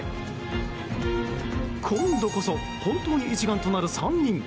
今度こそ本当に一丸となる３人。